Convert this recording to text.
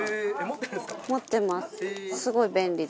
持ってます。